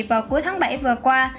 vào cuối tháng bảy vừa qua